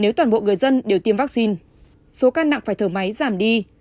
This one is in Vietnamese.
nếu toàn bộ người dân đều tiêm vaccine số ca nặng phải thở máy giảm đi